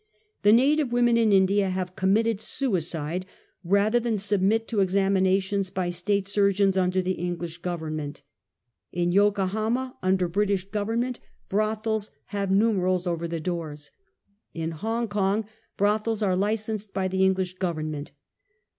The native women in India have committed sui / cide rather than submit to examinotions by State \ surgeons under the English Government. In Yokohama, under British government, brothels have numerals over the doors. In Hong Kong brothels are licensed by the Eng lish Government.